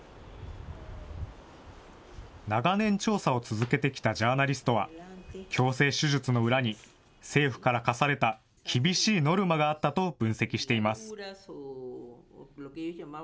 長年、調査を続けてきたジャーナリストは、強制手術の裏に政府から課された厳しいノルマがあったと分析しています。